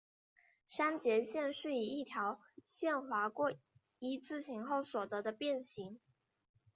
删节线是以一条线划过一字形后所得的变型。